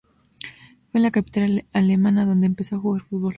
Fue en la capital alemana donde empezó a jugar fútbol.